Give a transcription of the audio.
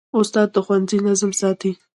استاد د ښوونځي نظم ساتي.